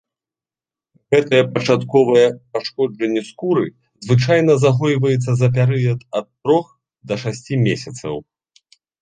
Гэтае пачатковае пашкоджанне скуры звычайна загойваецца за перыяд ад трох да шасці месяцаў.